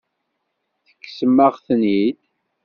Tekksem-aɣ-ten-id.